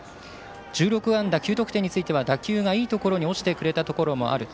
１６安打９得点については打球がいいところに落ちてくれたところもある。